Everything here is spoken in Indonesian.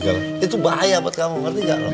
itu bahaya buat kamu ngerti gak